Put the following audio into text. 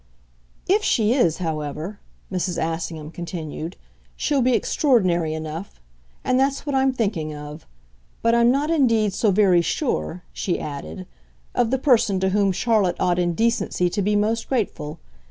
"If she is, however," Mrs. Assingham continued, "she'll be extraordinary enough and that's what I'm thinking of. But I'm not indeed so very sure," she added, "of the person to whom Charlotte ought in decency to be most grateful.